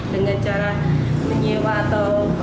dengan cara menyewa atau